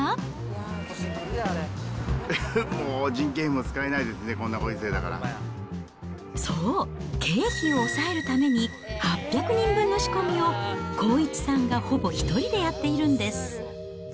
もう人件費も使えないですしそう、経費を抑えるために、８００人分の仕込みを、康一さんがほぼ１人でやっているんです。